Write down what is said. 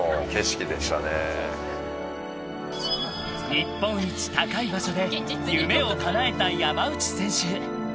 日本一高い場所で夢をかなえた山内選手。